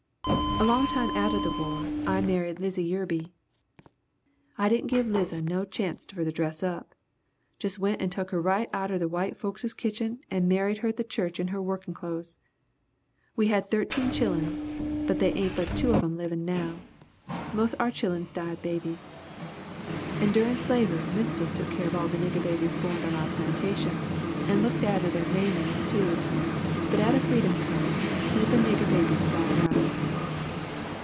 "A long time atter the war I married Lizy Yerby. I didn' give Liza no chanc't for to dress up. Jus' went and tuk her right outer the white folkses' kitchen and married her at the church in her workin' clothes. We had 13 chilluns but they ain't but two of 'em livin' now. Mos' of our chilluns died babies. Endurin' slavery Mistess tuk care of all the nigger babies borned on our plantations and looked atter they mammies too, but atter freedom come heap of nigger babies died out."